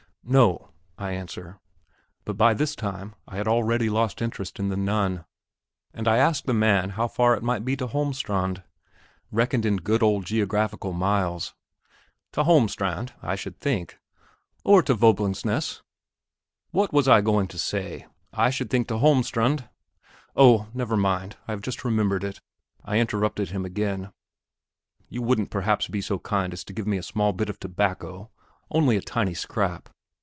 "No," I answer. But by this time I had already lost interest in the Nun, and I asked the man how far it might be to Holmestrand, reckoned in good old geographical miles. "To Holmestrand? I should think..." "Or to Voeblungsnaess?" "What was I going to say? I should think to Holmestrand..." "Oh, never mind; I have just remembered it," I interrupted him again. "You wouldn't perhaps be so kind as to give me a small bit of tobacco only just a tiny scrap?"